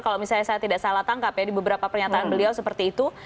kalau misalnya saya tidak salah tangkap ya di beberapa pernyataan beliau seperti itu